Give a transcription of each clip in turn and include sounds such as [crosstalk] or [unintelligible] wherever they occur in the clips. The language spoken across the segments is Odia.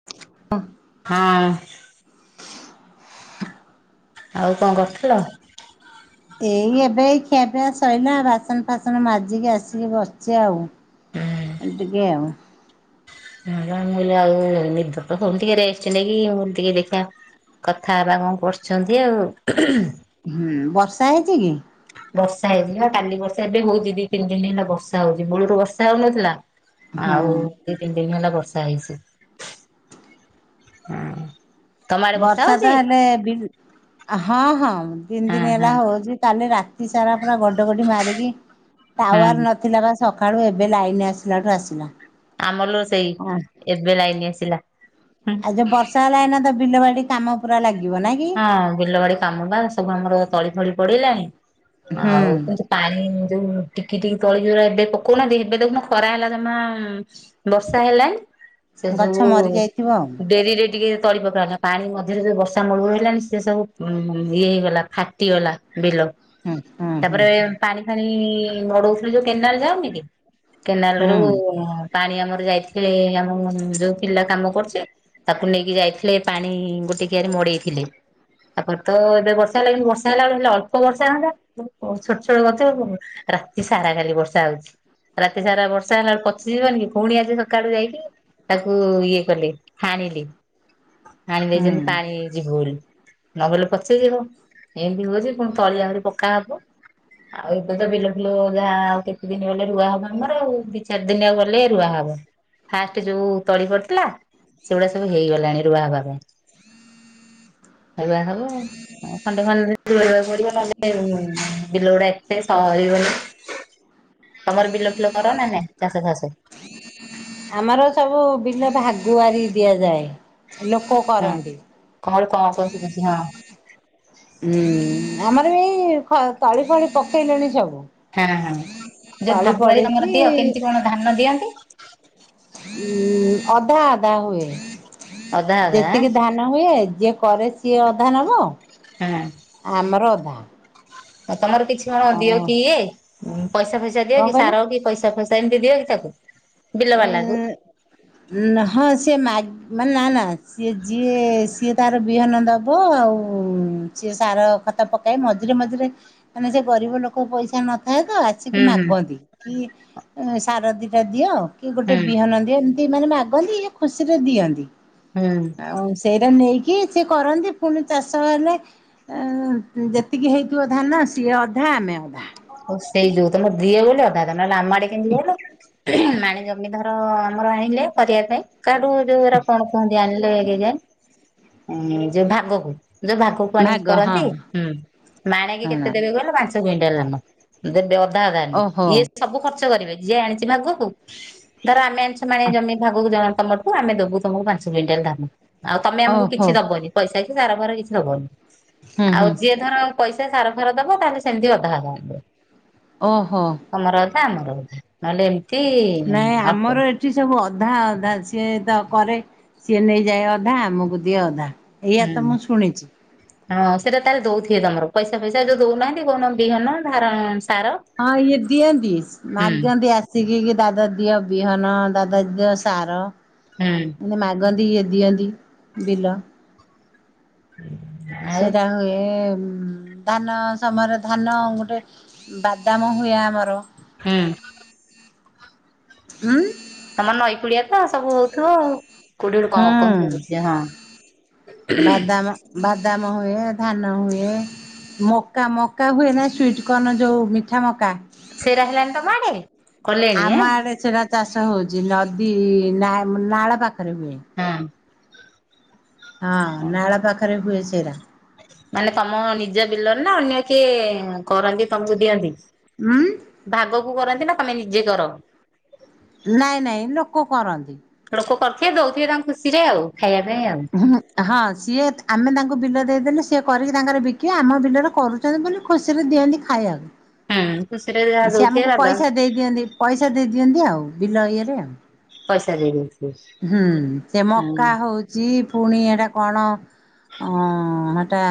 [unintelligible] ହଁ। ଆଉ କଣ କରୁଥିଲ? ଏଇ ଏବେ ଏଇ ଖିଆପିଆ ସରିଲା ବାସନ ଫାସନ ମାଜିକି ଆସିକି ବସିଚି ଆଉ। ଏ ଟିକେ ଆଉ। କହିଲି ଆଉ ନିଦ ତ ହଉନି ଟିକେ ରେଷ୍ଟ ନେଇକି ମୁଁ କହିଲି ଦେଖିବା କଥା ହେବା କଣ କରୁଚନ୍ତି ଆଉ। ହୁଁ ବର୍ଷା ହେଇଚି କି? ବର୍ଷା ହେଇଚି ନା କାଲି ବର୍ଷା ଏବେ ହଉଚି ଦି ତିନି ଦିନ ହେଲା ବର୍ଷା ହଉଚି ମୂଳରୁ ବର୍ଷା ହଉନଥିଲା। ହୁଁ ଆଉ ଦି ତିନି ଦିନ ହେଲା ବର୍ଷା ହେଇଚି। [inaudible] ତମ ଆଡେ ବର୍ଷା ହଉଛି? ତ ହେଲେ ଦି ହଁ ହଁ ତିନି ହଁ ଦିନ ହେଲା ହଁ ହଉଚି କାଲି ରା ତି ସାରା ପୁରା ଘଡଘଡିବମାରିକି ହଁ ଟାୱାର ନଥିଲା ବା। ସକାଳୁ ଏବେ ଲାଇନ ଆସିଲାଠୁ ଆସିଲା। ଆମର ଲୋ ସେଇ ଏବେ ଲାଇନ ଆସିଲା। ଆଉ [unintelligible] ବିଲ ବାଡି କାମ ପୁରା ଲାଗିବ ନାଇଁ କି। ହଁ ବିଲ ବାଡି କାମ ବା ସବୁ ଆମର ତଳି ଫଳି ପଡିଲାଣି। ଆଉ କିନ୍ତୁ ହୁଁ ପାଣି ଯୋଉ ଟିକି ଟିକି ତଳି ଗୁରା ଏବେ ପକଉନାହାନ୍ତି ଏବେ ଦେଖୁନ ଖରା ହେଲା ଜମା ବର୍ଷା ହେଲାନି। ସେ ଗଛ ଯୋଉ ମରି ଯାଇଥିବ ଆଉ ଡେରି ରେ ଟିକେ ତଳି ପକା ହେଲା ପାଣି ମଝିରେ ଯଉ ବର୍ଷା ମୂଳରୁ ହେଲାଣି ସେ ସବୁ ଇଏ ହେଇଗଲା ଫାଟିଗଲା ବିଲ। ହୁଁ ହୁଁ ହୁଁ ତାପରେ ପାଣି ଫାଣି ମଡଉଥିଲୁ କେନାଲ ଯାଉନି କି, କେନାଲ ହୁଁ ରୁ ପାଣି ଆମର ଯାଇଥିଲେ ଆମ ଯୋଉ ପିଲା କାମ କରୁଚି ତାକୁ ନେଇକି ଯାଇଥିଲେ ପାଣି ଗୋଟେ କିଆରି ମଡେଇଥିଲେ। ତାପରେ ତ ଏବେ ବର୍ଷା ହେଲା କି ବର୍ଷା ହେଲା ବେଳେ ହେଲେ ଅଳ୍ପ ବର୍ଷା ହୁଅନ୍ତା, ଛୋଟ ଛୋଟ ଗଛ ରାତି ସାରା କାଲି ବର୍ଷା ହଉଚି। ରାତି ସାରା ବର୍ଷା ହେଲା ବେଳେ ପଚିଯିବନି କି ପୁଣି ଆଜି ସକାଳୁ ଯାଇକି ତାକୁ ଇଏ କଲେ ହାଣିଲେ। ହାଣି ଦେଇଛନ୍ତି ହୁଁ। ପାଣି ଯିବ ବୋଲି। ନ ଗଲେ ପଚିଯିବ। ଏମିତି ହଉଚି ପୁଣି ତଳିଆ ଆହୁରି ପକା ହବ। ଆଉ ଏବେ ତ ବିଲ ଫିଲ ଯାହା ଆଉ କେତେ ଦିନ ଗଲେ ରୁଆ ହବ ଆମର ଆଉ। ଦି ଚାରି ଦିନି ଆଉ ଗଲେ ରୁଆ ହବ। ଫାଷ୍ଟ ଯୋଉ ତଳି ପଡିଥିଲା ସେଗୁଡା ସବୁ ହେଇଗଲାଣି ରୁଆ ହେବା ପାଇଁ। ରୁଆ ହବ। ଖଣ୍ଡେ ଖଣ୍ଡେ ରୁଇବାକୁ ପଡିବ ନହେଲେ ବିଲ ଗୁଡା ଏତେ ସରିବନି। ତମର ବିଲ ଫିଲ କର ନା ନାଇଁ ଚାଷ ଫାସ? ଆମର ସବୁ ବିଲ ଭାଗୁଆରି ଦିଆଯାଏ। ଲୋକ ହଁ। କରନ୍ତି। କଣ ଗୋଟେ କଣ କହୁଚି କଣ ହଁ। ହୁଁ ଆମର ଏଇ ଖ ତଳି ଫଳି ପକେଇଲେଣି ସବୁ। ହଁ ହଁ। ଯୋଉ ତଳି ଭାଗୁଆରୀ ପଡିଛି ତମର ଦିଅ କେମିତି କଣ ଧାନ ଦିଅନ୍ତି? ଅଧା ଅଧା ହୁଏ। ଅଧା ଅଧା ଆଁ? ଯେତିକି ଧାନ ନ ହୁଏ ଯିଏ କରେ ସିଏ ଅଧା ନବ ହୁଁ। ଆମର ଅଧା। ତମର କିଛି କଣ ଆଉ ଦିଅ କି ଇଏ, ପଇସା ଫଇସା ଦିଅ କଣ କି କହିଲ? ସାର କି ପଇସା ଫଇସା ସେମିତି ଦିଅ କି ତାକୁ? ବିଲ ବାଲାକୁ? ଅ ହଁ ସେ ମା ମାନେ ନା ନା ସିଏ ଯିଏ ସିଏ ତାର ବିହନ ଦବ ଆଉ ସିଏ ସାର ଖତ ପକା କାଇ ମଝିରେ ମଝିରେ, ମାନେ ସେ ଗରିବ ଲୋକ ପଇସା ନଥାଏ ତ ଆସିକି ହୁଁ ହୁଁ ମାଗନ୍ତି। କି ସାର ଦିଟା ଦିଅ, କି ଗୋଟେ ହୁଁ। ବିହନ ଦିଅ ତି ମାନେ ମାଗନ୍ତି। ଇଏ ଖୁସିରେ ଦିଅନ୍ତି। ହୁଁ। ଆଉ ସେଇରା ନେଇକି କି ସେ କରନ୍ତି ପୁଣି ଚାଷ ହେଲେ ଯେତିକି ହେଇଥିବ ଧାନ ସିଏ ଅଧା ଆମେ ଅଧା। ହଉ ସେଇ ଯୋଉ ତମର ଦି ବୋଲି ଅଧା। ତମ ନେହେଲେ ଆମ ଆଡେ କେମିତି କହିଲ ମାଣି ଜମି ଧ ଆମର ଆଣିଲେ କରିବା ପାଇଁ କାଡୁ ଯଉରା କଣ କୁହନ୍ତି, ଆଣିଲେ ଏରି ଯା ହୁଁ ଯୋଉ ଭାଗକୁ, ଯୋଉ ଭାଗକୁ ତାକୁ ଆଣିକି ଭାଗ ହଁ କରନ୍ତି। ହୁଁ ମାଣେକେ ହଁ କେତେ ଦେବେ କହିଲ ପାଞ୍ଚଶହ କୁଇଣ୍ଟାଲ ଧାନ। ଦେବେ ଅଧା ଅଧା। ଓହୋ ଇଏ ସବୁ ଖର୍ଚ୍ଚ କରିବେ, ଯିଏ ଆଣିଛି ଭାଗକୁ ଧର ଆମେ ସେମାନେ ଜମି ଭାଗକୁ ଜଣ ତମଠୁ ଆମେ ଦେବୁ ତମକୁ ପାଞ୍ଚ କୁଇଣ୍ଟାଲ ଧାନ, ଆଉ ତମେ ଆମକୁ ଓହୋ କିଛି ଦବନି। ପଇସା କିଛି ସାରଫାର କିଛି ଦେବନି। ହୁଁ ଆଉ ହୁଁ ଯିଏ ଧର ପଇସା ସାର ଫାର ଦବ ତାହେଲେ ସେମିତି ଅଧା ହେବା ହଵ। ଓହୋ। ତମର ଅଧା, ଆମର ଅଧା। ନହେଲେ ଏମିତି ନାଇଁ ଅଳ୍ପ। ଆମର ଏ ସେଠି ସବୁ ଅଧା ଅଧା। ସିଏ ତ କରେ ସିଏ ନେଇଯାଏ ଅଧା। ଆମକୁ ଦିଏ ଅଧା। ହୁଁ ଏଇଆ ତ ମୁଁ ଶୁଣିଛି। ହଁ, ସେଟା ତାର ଦଉଥିବେ ତମର, ପଇସା ପଇସା ଯୋଉ ଦଉନାହାନ୍ତି କହୁନ ବିହନ ଧାର ସାର ହଁ ଇଏ ଦିଅନ୍ତି ହୁଁ ମାଗନ୍ତି ଆସ ଆଶିକି ଦାଦା ଦିଅ ବିହନ, ଦାଦା ଦିଅ ସାର ହୁଁ। ମାଗନ୍ତି ଇଏ ଦିଅନ୍ତି ବିଲ। ଆଉ। ସେଟା ହୁଏ ଧାନ ସମୟରେ, ଧାନ ଗୋଟେ ବାଦାମ ହୁଏ ଆମର ହୁଁ। ଉଁ। ତମ ନଈ କୂଳିଆ ତ ସବୁ ହଉଥିବ ଆଉ। କୋଠଠୁ କଣ କଣ ହୁଁ ଶୁଭୁଛି? ହଁ। ବାଦାମ ବାଦାମ ହୁଏ, ଧାନ ହୁଏ। ମକା ମକା ହୁଏ ନାହିଁ ସ୍ଵିଟ୍ କର୍ଣ୍ଣ ଯେଉଁ ମିଠା ମକା? ସେରା ହେଲାନି ତମ ଆଡେ? କଲେଣି ଏଁ ଆମ ଆଡେ ସେରା ଚାଷ ହଉଛି ନଦୀ ନା- ନାଳ ପାଖରେ ହୁଏ। ହୁଁ। ହଁ ନାଳ ପାଖରେ ହୁଏ ସେଇରା। ମାନେ ତମ ନିଜ ବିଲରେ ନା? ଅନ୍ୟ କିଏ କରନ୍ତି ତମକୁ ଦିଅନ୍ତି? ଉଁ। ଭାଗକୁ କରନ୍ତି ନା ତମେ ନିଜେ କର? ନାଇଁ ନାଇଁ ଲୋକ କରନ୍ତି। ଲୋକ କରିଥିବେ ଦଉଥିବେ ତାଙ୍କ ଖୁସିରେ ଆଉ, ଖାଇବା ପାଇଁ ଆଉ। ହୁଁ ହଁ ସିଏ ଆମେ ତାଙ୍କୁ ବିଲ ଦେଇଦେଲେ, ସିଏ କରିକି ତାଙ୍କର ବିକିବ ଆମ ବିଲରେ କରୁଛି। ବୋଲି ଖୁସିରେ ଦିଅନ୍ତି ହୁଁ ଖୁସିରେ ଯାହା ଖାଇବାକୁ। ସି ଦଉଥିବେ ଆମକୁ ଦାଦା ପଇସା ଦେଇ ଦିଅନ୍ତି ପଇସା ଦେଇ ଦିଅନ୍ତି। ଆଉ ବିଲ ଇଏରେ ଆଉ। ପଇସା ଦେଇବି। ହୁଁ, ସେ ମକା ହଉଛି। ଯ ପୁଣି ଏଟା କଣ ଅ ହେଟା,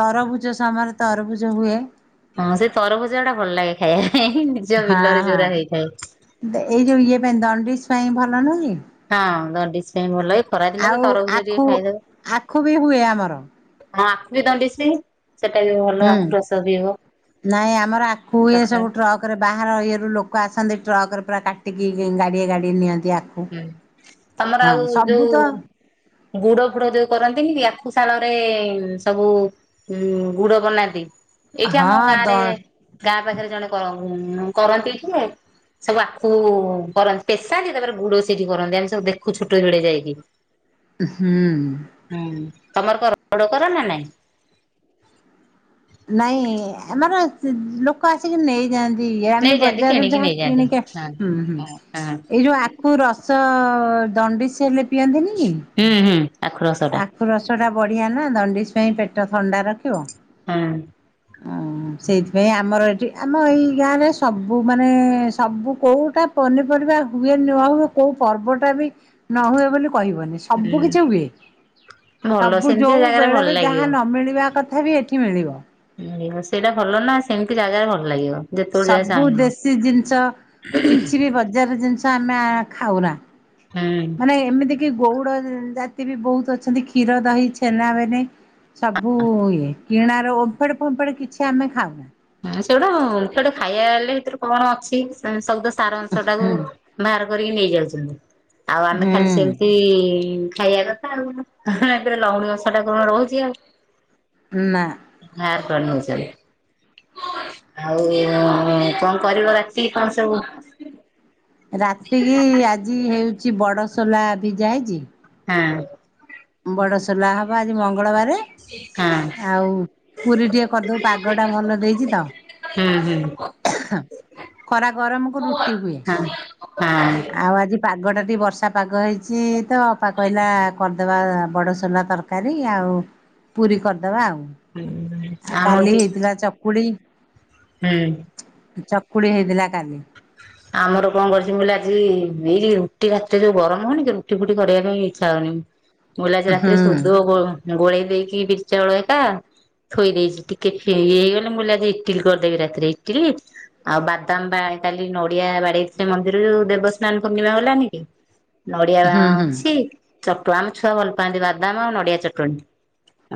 ତରଭୁଜ ସମୟରେ ତରଭୁଜ ହୁଏ। ହଁ ସେ ତରଭଜା ଗୁଟା ଭଲ ଲାଗେ ଖାଇବା। ହଁ ବିଲରେ ଯୋଉରା ହଁ, ହେଇଥାଏ। ଏଇ ଯୋଉ ଇଏ ପାଇଁ ଦଣ୍ଡିଜ ପାଇଁ ଭଲ ନାଁ। ହଁ ଜଣ୍ଡିସ ପାଇଁ ଭଲ [unintelligible] ଆଉ ତରଭୁଜ ଟିକେ ଆଖୁ ଖାଇଦବ ଆଖୁ ବି ହୁଏ ଆମର। ହଁ ଆଖୁ [unintelligible] [unintelligible] ବିି ଦଉଡି ସେ ସେଟା [unintelligible] ହୁଁ, ନାଇଁ ଆମର ଆଖୁ ଇ ସକାଳୁ ସବୁ ଟ୍ରକ୍, ପାରେ ବାହାର ଇଏରୁ ଲୋକ ଆସନ୍ତି ଟ୍ରକରେ ପୁରା କାଟିକି ଗାଡ଼ିଏ ଗାଡ଼ି ନିଅନ୍ତି ଆଖୁ। ହୁଁ, ତମର ହଁ ଆଉ ସବୁ ଯୋଉ, ତ ଗୁଡ ଫୁଡ ଯୋଉ କରନ୍ତିନି ଆଖୁଶାଳ ରେ ସବୁ। ହୁଁ ଗୁଡ ବନାନ୍ତି। ଏଇଠି ଆମ ହଁ ଗାଁ ଦ ରେ, ଗାଁ ପାଖରେ ଜଣେ କରନ୍ତି। ଏଠି ସବୁ ଆଖୁ କରନ୍ତି ପେଶାନ୍ତି ତାପରେ ଗୁଡ ସେଇଠି କରନ୍ତି ଆମେ ସବୁ ଦେଖୁ ଛୋଟ ଝଡଆ ଯାଇକି। ହୁଁ। ହୁଁ ତମର କ ଗୁଡ କର ନା ନାଇଁ। ନାଇଁ ଆମର ଲୋକ ଆସିକି ନେଇଯାଆନ୍ତି। ଦ ଆମେ ନେଇଯାଆନ୍ତି ବଜାରରୁ କିଣିକି ଯାହା ନେଇଯାଆନ୍ତି। କିଣିକି ହୁଁ ହୁଁ ହଁ ହଁ ଏଇ ଯୋଉ। କେଉଁ ରସ ଜଣ୍ଡିସ ସେ ହେଲେ ପିଅନ୍ତିନି କି। ହୁଁ ହୁଁ ଆଖୁ ରସଟା। ରସଟା ବଢ଼ିଆ ନା ଦଣ୍ଡିଶ ପାଇଁ ପେଟ ଥଣ୍ଡା ରଖିବ। ହୁଁ। ଅଁ ସେଇଥିପାଇଁ ଆମର ଏଠି ଆମ ଏଇ ଗାଁରେ ସବୁ ମାନେ ସବୁ କୋଉଟା। ପନିପରିବା ହୁଏ ନ ହୁଏ କୋଉ ପର୍ବ ଟା ବି ନ ହୁଏ ବୋଲି କହିବନି। ସବୁ ହୁଁ କିଛି ହୁଏ ଭଲ ସବୁ ସେମିତିଆ ଯୋଉ ଜାଗାରେ ଭଲ ବେଳରେ ଯାହା ଲାଗିବ। ନ ମିଳିବା କଥା ବି ଏଠି। ମିଳିବ। ସେଇଟା ଭଲ ନା ସେମିତି ଜାଗାରେ ଭଲ ଲାଗିବ। ଯେତେବେଳେ ଯାହା ସବୁ ଚାହିଁବ। ଦେଶୀ ଜିନିଷ କିଛି ବି ବଜାର ଜିନିଷ ଆମେ ଖାଉନା। ହୁଁ। ମାନେ ଏମିତି କି ଗଉଡ ଜାତି ବି ବହୁତ ଅଛନ୍ତି କ୍ଷୀର ଦହି ଛେନାବେନେ। ସବୁ ଇଏ କିଣାର ଓମ୍ଫଡ ଫମ୍ଫଡ କିଛି ଆମେ ଖାଉନା। ହଁ ସେଗଟା ସେଟେ ଖାଇବାଲେ ଭିତରୁ କଣ ଅଛି ଶବଦ ସାର ଅଂଶ ଟାକୁ। ହୁଁ ବାହାର କରିକି ନେଇଯାଉଛନ୍ତି ଆଉ ଆମେ ଖାଲି ସେମିତି ହୁଁ ଖାଇବା କଥା। ଏରେ ଲହୁଣୀ ବସା ଟା କଣ ରହୁଛି ଆଉ। ନା। ହ କଣ ନଉଛନ୍ତି। ଆଉ କଣ କରିବ ରାତି କଣ ସବୁ। ରାତିକି ଆଜି ହେଉଛି ବଡସୋଲା ଭ ଯାଇଛି। ହଁ। ବଡ ସୋଲା ହବ ଆଜି ମଙ୍ଗଳବାର। ହଁ। ଆଉ ପୁରୀ ଟିକେ କରିଦେଉ ପାଗ ଟା ଭଲ ଦେଇଛି ତ। ହୁଁ ହୁଁ। ଖରା ଗରମକୁ ରୁଟି ହୁଏ। ହଁ ହଁ। ଆଉ ଆଜି ପାଗ ଟା ଟିକେ ବର୍ଷା ପାଗ ହେଇଛି ତ ଅପା କହିଲା କରିଦବା ବଡସୋଲା ତର କାରୀ ଆଉ ପୁରୀ କରିଦବା ଆଉ। ହୁଁ। ଆଉ କାଲି ହେଇଥିଲା ଚକୁଡି। ହୁଁ। ଚକୁଳି ହେଇଥିଲା କାଲି। ଆମର କଣ କରିଛି ମୁ କହିଲି ଆଜି ଏଇ ରୁଟି ରାତିରେ ଯୋଉ ଗରମ ହଉନି କି ରୁଟି ଫୁଟି କରିବା ପାଇଁ ଇଚ୍ଛା ହଉନି। ମୁଁ କହିଲି ଆଜି ହୁଁ ରାତିରେ ସୁଦୁ ହୁଁ ଗୋଳେଇ ଦେଇକି ବିରି ଚାଉଳ ହେରିକା ଥୋଇ ଦେଇଛି ଟିକେ ହେଇଗଲେ ମୁଁ ଆଜି ଇଟିଲି କରିଦେବି ରାତିରେ ଇଟିଲି ଆଉ ବାଦାମ ବା କାଲି ନଡିଆ ବାଡେଇଥିଲେ ମନ୍ଦିର ଯୋଉ ଦେବସ୍ନାନ ପୂର୍ଣ୍ଣିମା ଗଲାନି କି। ନଡିଆ ହୁଁ ଅଛି ଚଟ ଆମ ଛୁଆ ଭଲ ପାଆନ୍ତି ବାଦାମ ଆଉ ନଡିଆ ଚଟଣୀ।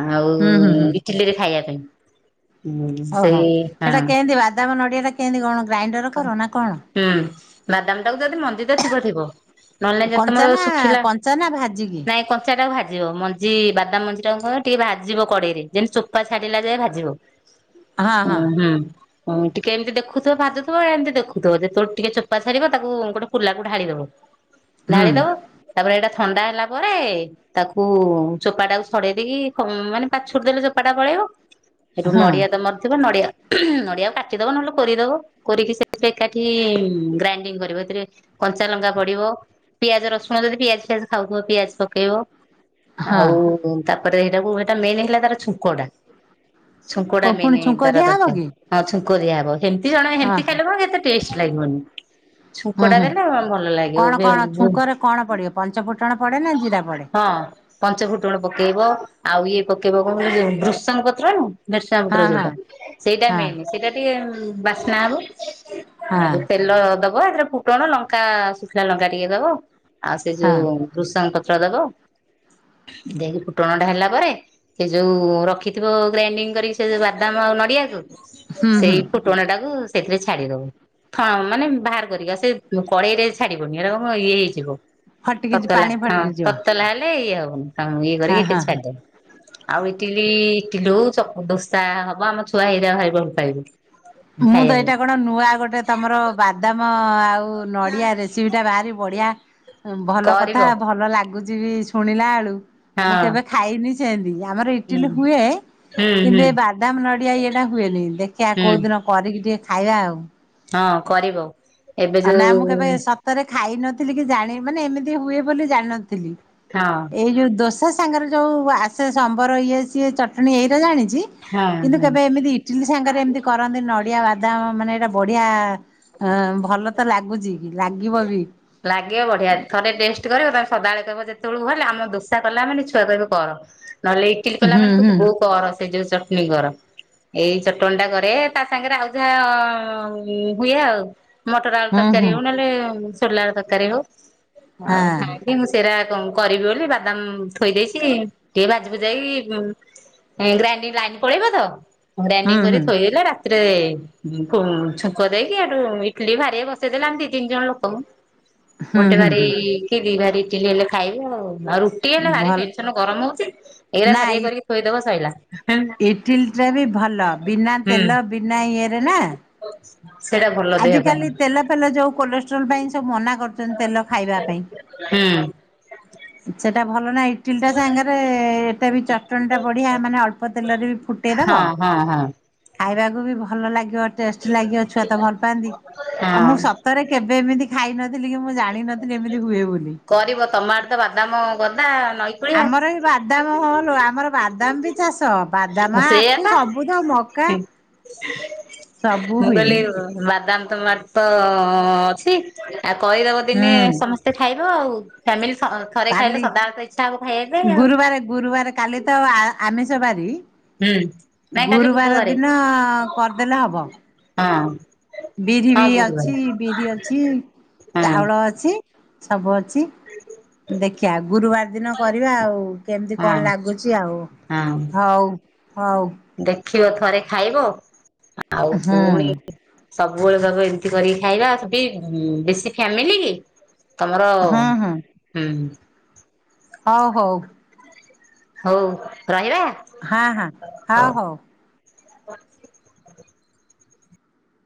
ଆଉ ହୁଁ ହୁଁ ହୁଁ ଇଟିଲିରେ ଖାଇବା ପାଇଁ। ଓହୋ ସେଇ ହଁ ସେଇଟା କେମିତି ବାଦାମ ନଡ଼ିଆ ଟା କେମିତି କଣ ଗ୍ରାଇଣ୍ଡରରେ କର ନା କଣ? ହୁଁ। ବାଦାମ ଟାକୁ ଯଦି ମଞ୍ଜି ତ ଥିବ ଥିବ, ନହେଲେ ନାଇଁ ଯଦି ତମର କଞ୍ଚା ନା ଶୁଖିଲା କଞ୍ଚା ନା ଭାଜିକି ନାଇଁ କଞ୍ଚାଟାକୁ ଭାଜି ଦବ, ମଞ୍ଜି ବାଦାମ ମଞ୍ଜି ଟା କହ ଟିକେ ଭାଜିବ କଡ଼େଇରେ, ଯେମିତି ଚୋଫା ଛାଡ଼ିଲା ଯାଏ ଭାଜିବ। ହଁ ଓ ହଁ ହୁଁ ହ ଟିକେ ଏମିତି ଦେଖୁଥିବ ଭାଜୁ ବେଳେ ଏମିତି ଦେଖୁଥିବ ଯେତେବେଳେ ଟିକେ ଚୋପା ଛାଡ଼ି ତାକୁ ଗୋଟେ କୁଲାକୁ ଢାଳି ଦବ ହୁଁ ଢାଳି ଦବ ତାପରେ ଏଇଟା ଥଣ୍ଡା ହେଲା ପରେ ତାକୁ ଚୋପାଟାକୁ ଛଡେଇ ଦେଇକି ମାନେ ପାଛୋଟି ଦେଲେ ଚୋପାଟା ପଳେଇବ। ସେଠୁ ହଁ ନଡିଆ ତମର ଥିବ ନଡିଆ ନଡିଆକୁ କାଟିଦବ ନହେଲେ କୋରିଦବ। କୋରିକି ସେଥିରେ ଏକାଠି ଗ୍ରାଇଣ୍ଡିଙ୍ଗ କରିବ ସେଥିରେ କଞ୍ଚା ଲଙ୍କା ପଡିବ। ପିଆଜ, ରସୁଣ ଯଦି ପିଆଜ ଫିଆଜ ଖାଉଥିବ ପିଆଜ ପକେଇବ। ହଁ ଆଉ ତାପରେ ସେଟାକୁ ସେଟା ମେନ୍ ହେଲା ତାର ଛୁଙ୍କ ଟା। ଓ ଛୁଙ୍କଟା ପୁଣି ମେନେ ଛୁଙ୍କ ତାର ଦିଆହବ ଦରକାର। କି ହଁ ଛୁଙ୍କ ଦିଆ ହବ ହେମିତି ଜଣେ ହଁ ହେମତି ଖାଇଲେବ ଏତେ ଟେଷ୍ଟ ଲାଗିବନି। ହୁଁ ଛୁଙ୍କ ଟା ହୁଁ ଦେଲେ ଭଲ କଣ କଣ ଲାଗିବ। ଛୁଙ୍କରେ କଣ ପଡ଼ିବ, ପଞ୍ଚଫୁଟଣ ପଡ଼େ ନା ଜିରା ପଡ଼େ? ହଁ ପଞ୍ଚ ଫୁଟଣ ପକେଇବ, ଆଉ ଇଏ ପକେଇବ କଣ ଭୃଶଙ୍ଗ ପତ୍ର ନୁହଁ। ଭୃସଙ୍ଗ ପତ୍ର ହଁ ହଁ ଯୋଉଟା ସେଇଟା ହଁ ମେନ୍ ସେଇଟା ଟିକେ ବାସ୍ନା ହବ। ଆ ହଁ ତେଲ ଦବ ଏଥିରେ ଫୁଟଣ ଲଙ୍କା ଶୁଖିଲା ଲଙ୍କା ଟିକେ ଦବ ଆଉ ସେ ହଁ ଯୋଉ ଭୃସଙ୍ଗ ପତ୍ର ଦବ, ଦେଇକି ଫୁଟଣ ଟା ହେଲା ପରେ ସେ ଯୋଉ ରଖିଥିବ ଗ୍ରାଇଣ୍ଡିଙ୍ଗ କରି ସେ ଯୋଉ ବାଦାମ ଆଉ ନଡିଆକୁ ହୁଁ ହୁଁ ସେଇ ଫୁ ଟୋଣ ଟାକୁ ସେଥିରେ ଛାଡିଦବୁ। ହ ମାନେ ବାହାର କରିକା, ସେ କଡେଇରେ ଛାଡିବନି ଏରା ଇଏ ହେଇଯିବ। ଫଟିକି ତତଲା ପାଣି ହଁ ଫଟିକି ଯିବ ତତଲା ହେଲେ ଇଏ ହବନି ତମକୁ ଇଏ କରିକି ହଁ ଏଥିରେ ହଁ ଛାଡ଼ିଦବ। ଆଉ ଇଟିଲି ଇଟିଲୁ ଚକୁ ଦୋସା ହବ ଆମ ଛୁଆ ହେଇରା ଭାରି ଭଲ ପାଇବେ। ମୁଁ ତ ଏଇଟା ଖାଇବାକୁ କଣ ନୂଆ ଗୋଟେ ତମର ବାଦାମ ଆଉ ନଡିଆ ରେସିପି ଟା ବାହାରି ବଢିଆ, ଭଲ କରିବ କଥା ଭଲ ଲାଗୁଛି। ଚି ବି ଶୁଣିଲା ବେଳକୁ। ହଁ। ଖାଇନି ସେମିତି ଆମର ହୁଁ ଇଟିଲି ହୁଏ ହୁଁ ହୁଁ କିନ୍ତୁ ଏ ବାଦାମ ନଡିଆ ଇଏଟା ହୁଏନି ଦେଖିବା ହୁଁ କୋଉ ଦିନ କରିକି ଟିକେ ଖାଇବା ଆଉ। ହଁ କରିବ। ଏବେ ନା ଯୋଉ ମୁଁ କେବେ ସତରେ ଖାଇନଥିଲି, କି ଜାଣି ମାନେ ଏମିତି ହୁଏ ବୋଲି ଜାଣିନଥିଲି। ହଁ। ଏଇ ଯୋଉ ଦୋସା ସାଙ୍ଗରେ ଯୋଉ ଆସେ ସମ୍ୱର ଇଏ ସିଏ ଚଟଣୀ ଏଇଟା ଜାଣିଛି। ହଁ କିନ୍ତୁ ହଁ। କେବେ ଏମିତି ଟିଲି ସାଙ୍ଗରେ ଏମିତି କରନ୍ତି ନଡିଆ ବାଦାମ ମାନେ ଏଇଟା ବଢିଆ ଅ ଭଲ ତ ଲାଗୁଛି, ରାଗିବ ବି? ଲାଗିବ ବଢିଆ ଥରେ ଟେଷ୍ଟ କରିବ, ତମେ ସଦାବେଳେ କହିବ ଯେତେବେଳକୁ ଭ ହେଲା ଆମ ଦୋଷା କଲାମାନେ ଛୁଆ କହିବ କର। ନହେଲେ ଇଟିଲି ହୁଁ କଲା ମାନେ, ହୁଁ ତୁ ବୋଉ କର, ସେ ଯୋଉ ଚଟନି କର। ଏଇ ଚଟଣି ଟା କରେ ତା ସାଙ୍ଗରେ ଆଉ ଯାହା-ଆ ହୁଏ ଆଉ। ମଟର ଆଳୁ ହୁଁ ତରକାରୀ ହୁଁ ହଉ, ନହେଲେ ସୋଲାର ତରକାରୀ ହଉ, ଆଉ ହଁ। ଖାଇକି ମୁଁ ସେ ସେଇରା କଣ କରିବି, ବୋଲି ବାଦାମ ଥୋଇ ଦେଇଛି। ଟିଏ ଭାଜିିଭୁଜାକି ଉମ୍ ଗ୍ରାଇଣ୍ଡି ଲାଇନ୍ ପଳେଇବ ତ! ହୁଁ ଗ୍ରାଇଡିଙ୍ଗ୍ ହୁଁ କରିକି ଥୋଇଦେଲେ ରାତ୍ ଥିରେ ଫୁ ଛୁଙ୍କ ଦେଇକି ହେଠୁ ଇଟଲିି ଭାରିଏ ବସେଇ ଦେଲେ, ଆମେ ଦି ତିନି ଜଣ ଲୋକଙ୍କୁ ହୁଁ ଗୋଟେ ହୁଁ ଭାରି ହୁଁ କି, ଦି ଭାରି ଇଟିଲି ହେଲେ ଖାଇବେ ଆଉ। ଆଉ ରୁ ଟି ହେଲେ ଭାରି ଭଲ ଟେନ୍ ସନ୍ ଗରମ ହଉଛି, ଏଇରା ଭାରିଏ କରିକି ଥୋଇଦବ ସଇଲା। ଇଟିଲି ଟା ବି ଭଲ ବିନା ହୁଁ ତେଲ, ବିନା ଇଏରେ ନା। ସେଇଟା ଭଲ। ଦେହ ଆଜି କାଲି ପାଇଁ। ତେଲ ଫେଲ ଯୋଉ, କୋଲେଷ୍ଟ୍ରୋଲ ପାଇଁ ସବୁ ମନା କରୁଛନ୍ତି ତେଲ ଖାଇବା ପାଇଁ। [inaudible] ସେଟା ଭଲ ନା ଇଟିଲି ଟା ସାଙ୍ଗରେ-ଏ ଏଟା ବି ଚଟଣି ଟା ବଢିଆ ମାନେ ଅଳ୍ପ ତେଲରେ ବି ଫୁଟ୍ ଟେ ଦବ। ଅ, ହଁ। ଖାଇବାକୁ ବି ଭଲ ଲାଗିବ, ଟେଷ୍ଟ ଲାଗିବ, ଛୁଆ ତ ଭଲ ପାଆନ୍ତି। ଆଉ ମୁଁ ହଁ। ସ ତରେ କେବେ ଏମିତି ଖାଇ ନଥିଲି କି, ମୁଁ ଜାଣିନଥିଲି ଏମିତି ହୁଏ ବୋଲି। କରିବ ତମ ଆଡେ ତ ବାଦାମ ଗଦା ନଈ କୂଳିଆ ଆମର ବି ବାଦାମ ହଁଲୋ, ଆମର ବାଦାମ ବି ଚାଷ ବାଦାମ ସେଇଆ ଆଖୁ ପା। ସବୁ ତ ମକା ସବୁ ମୁଁ, ହୁଏ କହିଲି ବାଦାମ ତମ ଆରେ ତ-ଅ ଅଛି? ଆଉ କହିଦବ ଦିନେ ହୁଁ ସମସ୍ତେ ଖାଇବ ଆଉ ଫ୍ୟାମିଲି ସତ ଥରେ ଖାଇଲେ ସଦାବଳୀ ତ ଇଚ୍ଛା ହବ ଖାଇବା ପାଇଁ ଆଉ ଏ ଗୁରୁବାରେ କାଲି ତ ଆ-ଆମିଷବାରି ହୁଁ। ନାଇଁ କାଲି ଗୁରୁବାର ବୁଧବାରେ ଦିନ-ଅ କରିଦେଲେ ହବ। ଅଁ। ବିରି ବି ଅଛି, ବିରି ଅଛି ହଁ ଚାଉଳ ଅଛି। ସବୁ ଅଛି। ଦେଖିବା ଗୁରୁବାର ଦିନ କରିବା ଆଉ। କେମିତି କଣ ହଁ ଲାଗୁଚି ଆଉ? ହଁ। ହଉ, ହଉ,। ଦେଖିବ ଥରେ ଖାଇବ। ଆଉ ହୁଁ ପୁଣି ସବୁବେଳେ ଦବ, ଏମିତି କରିକି ଖାଇବା ବି ବେଶୀ ଫ୍ୟାମିଲି କି ତମର, ହୁଁ ହୁଁ ହୁଁ। ହଉ ହଉ। ହଉ, ରହିବା? ହଁ, ହଁ, ହଉ ହଉ।